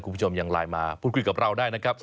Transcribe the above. คุณผู้ชมยังไลน์มาพูดคุยกับเราได้นะครับ